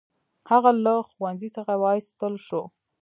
هغه له ښوونځي څخه وایستل شو.